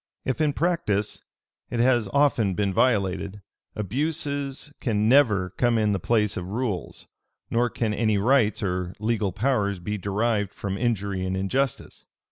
If in practice it has often been violated, abuses can never come in the place of rules; nor can any rights or legal powers be derived from injury and injustice.